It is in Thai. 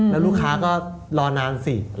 แล้วลูกค้าก็รอนานสิ